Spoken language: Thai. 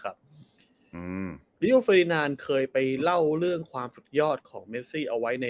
ครับอืมเรียวเฟอร์ดินานเคยไปเล่าเรื่องความสุดยอดของเมซิเอาไว้ใน